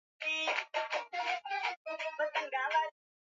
makofi haya yakimshangilia rais wa marekani barack obama akiwa